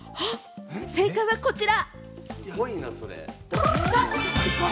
正解はこちら。